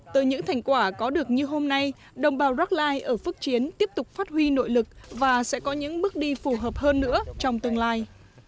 từ những thành quả có được như hôm nay đồng bào rackline ở phước chiến tiếp tục phát huy nội lực và sẽ có những bước đi phù hợp hơn nữa trong tương lai